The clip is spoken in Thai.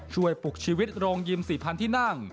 ปลุกชีวิตโรงยิม๔๐๐๐ที่นั่ง